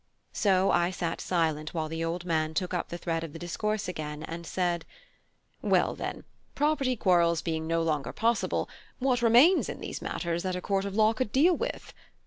So I sat silent while the old man took up the thread of the discourse again, and said: "Well, then, property quarrels being no longer possible, what remains in these matters that a court of law could deal with?